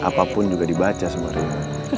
apapun juga dibaca semua rena